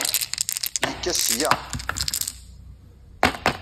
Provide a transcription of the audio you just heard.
Yekka seg-a.